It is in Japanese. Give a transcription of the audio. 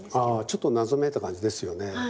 ちょっと謎めいた感じですよね。